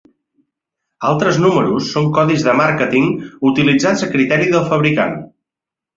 Altres números són codis de màrqueting utilitzats a criteri del fabricant.